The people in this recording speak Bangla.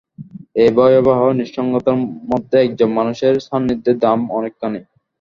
এই ভয়াবহ নিঃসঙ্গতার মধ্যে একজন মানুষের সান্নিধ্যের দাম অনেকখানি।